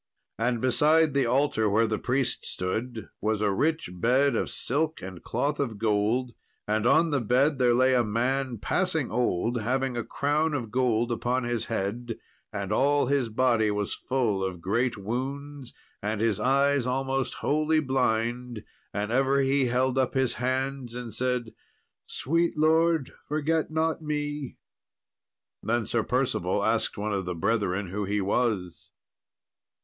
And beside the altar where the priest stood, was a rich bed of silk and cloth of gold; and on the bed there lay a man passing old, having a crown of gold upon his head, and all his body was full of great wounds, and his eyes almost wholly blind; and ever he held up his hands and said, "Sweet Lord, forget not me!" Then Sir Percival asked one of the brethren who he was.